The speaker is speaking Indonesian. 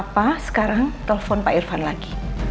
papa sekarang telpon pak irfan lagi